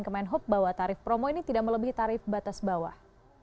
kemenhub bahwa tarif promo ini tidak melebihi tarif batas bawah